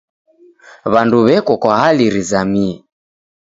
W'andu w'eko kwa hali rizamie.